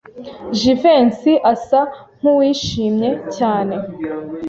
Jivency asa nkuwishimye cyane.